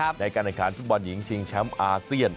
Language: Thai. ในการแข่งขันฟุตบอลหญิงชิงแชมป์อาเซียน